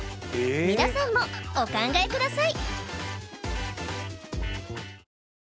皆さんもお考えください